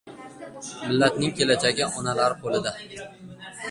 Millatning kelajagi onalar qo‘lidadir.